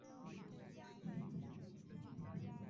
简称为日本三大佛。